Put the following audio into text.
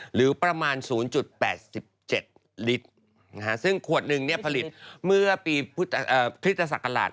หรือประมาณ๐๘๗ลิตรซึ่งขวดหนึ่งผลิตเมื่อปีคริสตศักราช